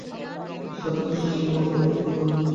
ঈর্ষা থাকলে সর্বশক্তিমান ভগবানও কিছু করে উঠতে পারেন না।